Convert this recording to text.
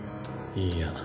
いいや。